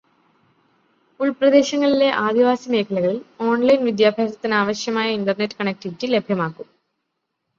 ഉള്പ്രദേശങ്ങളിലെ ആദിവാസി മേഖലകളില് online വിദ്യാഭ്യാസത്തിനാവശ്യമായ internet connectivity ലഭ്യമാക്കും.